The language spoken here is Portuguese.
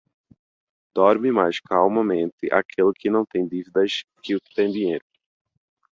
Dorme mais calmamente aquele que não tem dívidas que o que tem dinheiro.